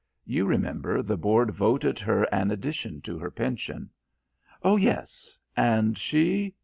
You remember the Board voted her an addition to her pension." "Oh, yes. And she?"